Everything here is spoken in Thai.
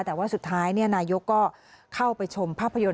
แต่ว่าสุดท้ายนายกก็เข้าไปชมภาพยนตร์